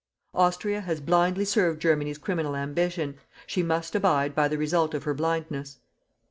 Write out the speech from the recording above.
Austria has blindly served Germany's criminal ambition. She must abide by the result of her blindness.